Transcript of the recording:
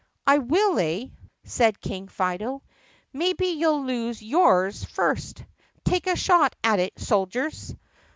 "I will, eh?" said King Fido. "Maybe you 'll lose yours first. Take a shot at it, soldiers!"